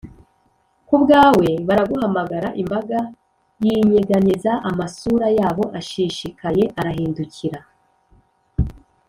kubwawe baraguhamagara, imbaga yinyeganyeza, amasura yabo ashishikaye arahindukira;